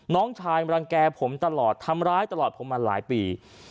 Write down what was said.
น้องชายรังแก่ผมตลอดทำร้ายตลอดผมมาหลายปี